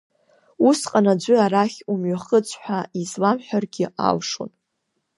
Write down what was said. Усҟан аӡәы арахь умҩахыҵ ҳәа изламҳәаргьы алшон…